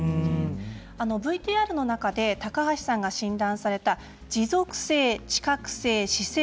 ＶＴＲの中で高橋さんが診断された持続性知覚性姿勢